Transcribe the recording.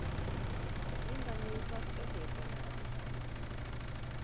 Mindannyiukat öt évre nevezik ki.